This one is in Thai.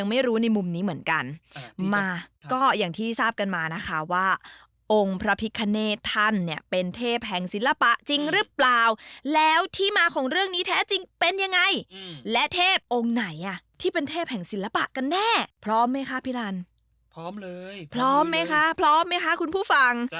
พร้อมไหมคะพร้อมไหมคะคุณผู้ฟัง